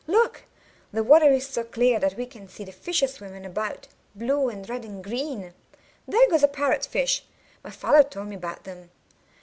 Look! the water is so clear that we can see the fishes swimming about, blue and red and green. There goes a parrot fish; my father told me about them.